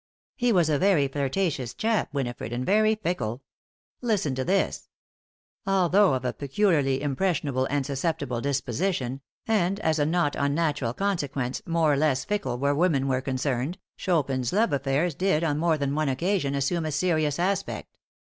"He was a very flirtatious chap, Winifred, and very fickle. Listen to this: 'Although of a peculiarly impressionable and susceptible disposition, and, as a not unnatural consequence, more or less fickle where women were concerned, Chopin's love affairs did, on more than one occasion, assume a serious aspect.